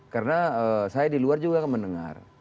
karena saya di luar juga mendengar